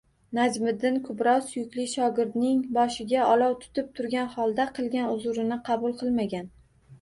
Najmiddin Kubro suyukli shogirdning boshiga olov tutib turgan holda qilgan uzrini qabul qilmagan